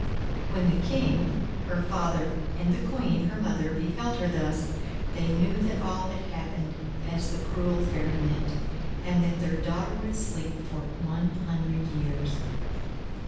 When the King, her father, and the Queen, her mother, beheld her thus, they knew that all had happened as the cruel fairy meant, and that their daughter would sleep for one hundred years.